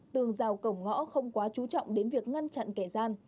tường rào cổng ngõ không quá chú trọng đến việc ngăn chặn kẻ gian